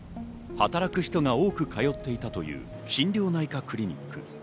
働く人が多く通っていたという心療内科クリニック。